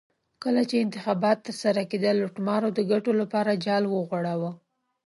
کله چې انتخابات ترسره کېدل لوټمارو د ګټو لپاره جال وغوړاوه.